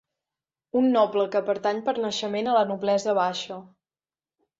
Un noble que pertany per naixement a la noblesa baixa.